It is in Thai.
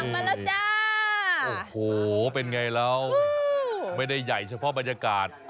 มาแล้วจ้าโอ้โหเป็นไงเราไม่ได้ใหญ่เฉพาะบรรยากาศ